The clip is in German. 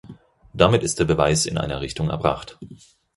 Damit ist der Beweis in einer Richtung erbracht.